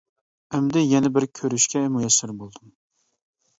ئەمدى يەنە بىر كۆرۈشكە مۇيەسسەر بولدۇم.